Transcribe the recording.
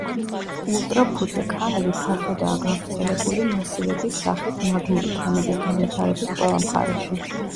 ულტრაფუძე ქანები ფართოდაა გავრცელებული მასივების სახით მაგმური ქანების განვითარების ყველა მხარეში.